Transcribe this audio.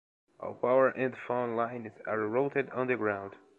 All power and phone lines are routed underground.